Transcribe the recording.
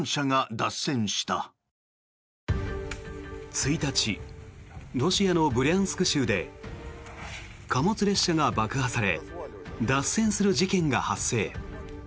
１日ロシアのブリャンスク州で貨物列車が爆破され脱線する事件が発生。